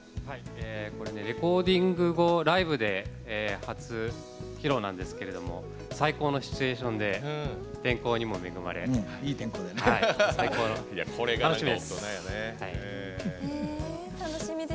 レコーディング後ライブで初披露なんですけど最高のシチュエーションで天候にも恵まれ最高、楽しみです。